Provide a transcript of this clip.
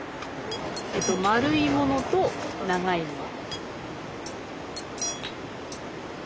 丸いものと長いもの。